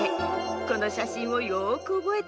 このしゃしんをよくおぼえて。